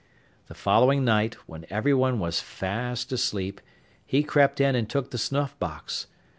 The following night, when everyone was fast asleep, he crept in and took the snuff box.